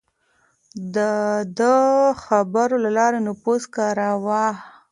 ده د خبرو له لارې نفوذ کاراوه.